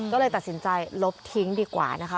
ก็เลยตัดสินใจลบทิ้งดีกว่านะคะ